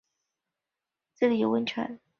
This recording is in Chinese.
最早是当地泰雅族人发现这里有温泉。